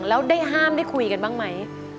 แล้วได้ห้ามได้คุยกันบ้างไหม